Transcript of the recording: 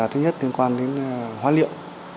thứ nhất liên quan đến hóa liệu